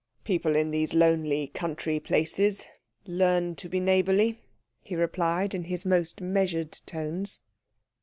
"People in these lonely country places learn to be neighbourly," he replied in his most measured tones.